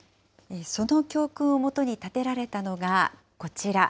その教訓をもとに建てられたのが、こちら。